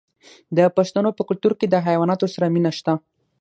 د پښتنو په کلتور کې د حیواناتو سره مینه شته.